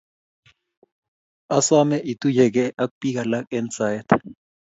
Asome ituyiegei ak biik alak eng' saet